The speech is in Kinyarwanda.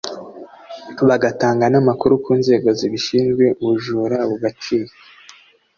bagatanga n’amakuru ku nzego zibishinzwe ubujura bugacika